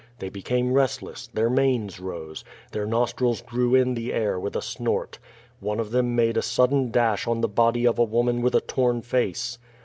They became restless; their manes rose; their nostrils drew in the air with a snort. One of them made a sudden dash on the body of a woman with a torn face.